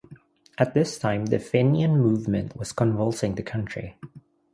At this time the Fenian movement was convulsing the country.